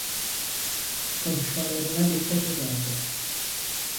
Konuşmalarına dikkat ederdim.